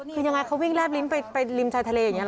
คือยังไงเขาวิ่งแบบลิ้นไปริมชายทะเลอย่างนี้ห